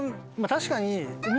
確かに。